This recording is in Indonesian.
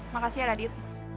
makasih ya radit